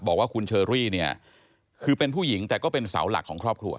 บอกว่าคุณเชอรี่เนี่ยคือเป็นผู้หญิงแต่ก็เป็นเสาหลักของครอบครัว